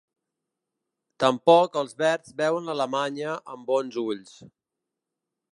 Tampoc els verds veuen l’alemanya amb bons ulls.